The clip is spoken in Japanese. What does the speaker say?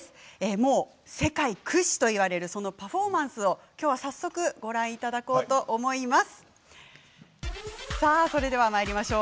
もう世界屈指といわれるそのパフォーマンスを今日は早速ご覧いただこうと思います。